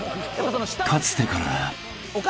［かつてから］